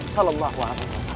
salam allah wa'alaikum salam